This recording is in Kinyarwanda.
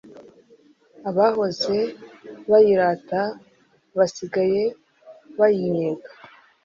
abahoze bayirata basigaye bayinnyega,